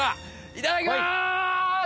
いただきます！